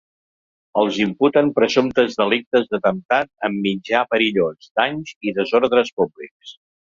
Els imputen presumptes delictes d’atemptat amb mitjà perillós, danys i desordres públics.